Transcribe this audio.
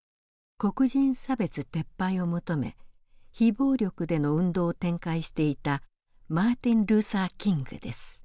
黒人差別撤廃を求め非暴力での運動を展開していたマーティン・ルーサー・キングです。